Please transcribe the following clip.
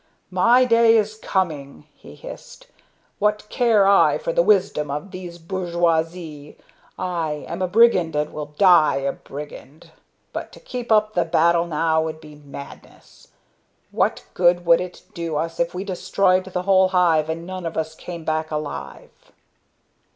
"My day is coming," he hissed. "What care I for the wisdom of these bourgeois! I am a brigand and will die a brigand. But to keep up the battle now would be madness. What good would it do us if we destroyed the whole hive, and none of us came back alive?"